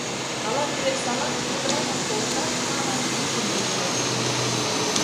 Ала-кӧ салам телеграммым колташ, манын мутым лукто.